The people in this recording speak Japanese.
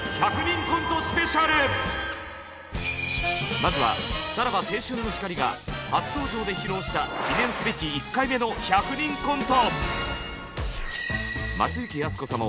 まずはさらば青春の光が初登場で披露した記念すべき１回目の１００人コント！